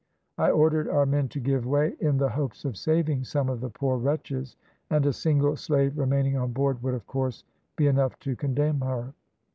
I ordered our men to give way, in the hopes of saving some of the poor wretches, and a single slave remaining on board would, of course, be enough to condemn her.